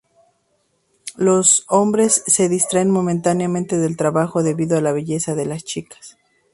Los hombres se distraen momentáneamente del trabajo, debido a la belleza de las chicas.